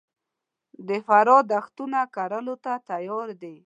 د فراه دښتونه کرلو ته تیار دي